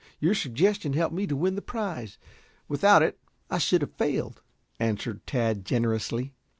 Your suggestion helped me to win the prize. Without it I should have failed," answered Tad generously.